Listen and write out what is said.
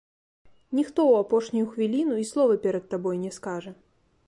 Ніхто ў апошнюю хвіліну і слова перад табой не скажа.